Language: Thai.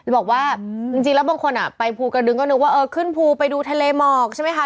บอกว่าจริงแล้วบางคนไปภูกระดึงก็นึกว่าเออขึ้นภูไปดูทะเลหมอกใช่ไหมคะ